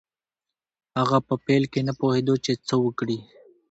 هغه په پیل کې نه پوهېده چې څه وکړي.